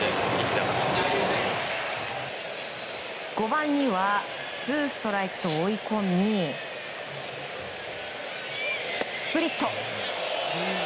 ５番にはツーストライクと追い込みスプリット。